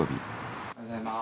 おはようございます。